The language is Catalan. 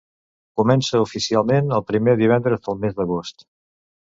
Comença oficialment el primer divendres del mes d'agost.